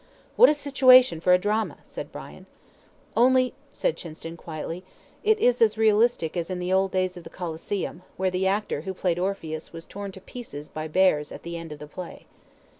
"What a situation for a drama," said Brian. "Only," said Chinston, quietly, "it is as realistic as in the old days of the Coliseum, where the actor who played Orpheus was torn to pieces by bears at the end of the play."